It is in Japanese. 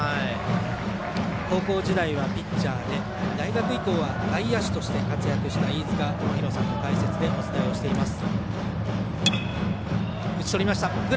高校時代はピッチャーで大学以降は外野手として活躍した飯塚智広さんの解説でお伝えしています。